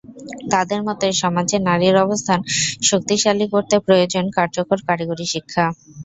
তাঁদের মতে, সমাজে নারীর অবস্থান শক্তিশালী করতে প্রয়োজন কার্যকর কারিগরি শিক্ষা।